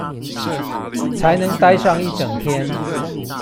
才能待上一整天